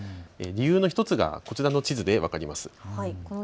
理由の１つがこちらの地図で分かります。